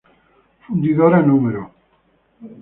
Fundidora No.